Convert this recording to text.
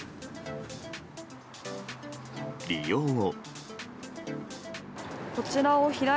利用後。